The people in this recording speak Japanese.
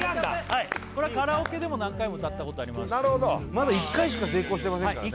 はいこれはカラオケでも何回も歌ったことありますしなるほどまだ１回しか成功してませんからね